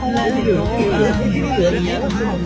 และก็อ้างเหลืออย่างห่าง